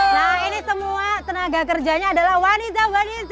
nah ini semua tenaga kerjanya adalah wanizab wanizab